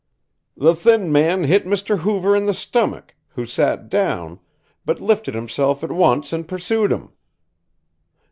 "The thin man hit Mr. Hoover in the stomack, who sat down, but lifted himself at wance and pursued him."